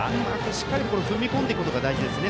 しっかりと踏み込むことが大事ですね。